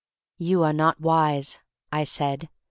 "You are not wise," I said.